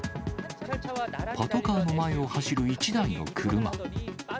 パトカーの前を走る１台の車。